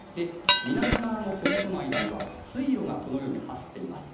南側の堀との間には水路が走っています。